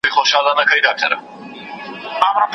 ډنبار په شپاړس کلني کي